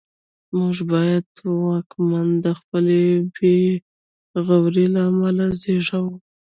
موږ بد واکمن د خپلې بېغورۍ له امله زېږوو.